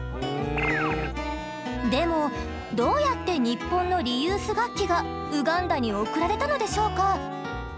でもどうやってニッポンのリユース楽器がウガンダに送られたのでしょうか？